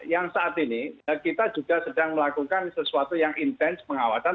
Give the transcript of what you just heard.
yang saat ini kita juga sedang melakukan sesuatu yang intens pengawasan